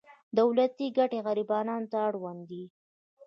دولتي ګټې غریبانو ته اړوند دي.